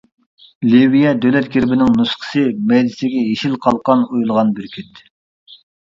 لىۋىيە دۆلەت گېربىنىڭ نۇسخىسى مەيدىسىگە يېشىل قالقان ئويۇلغان بۈركۈت.